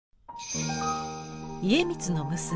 家光の娘